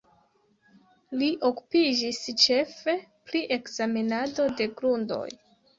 Li okupiĝis ĉefe pri ekzamenado de grundoj.